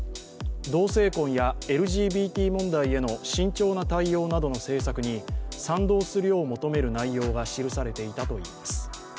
同性婚やＬＧＢＴ問題への慎重な対応などの政策に賛同するよう求める内容が記されていたといいます。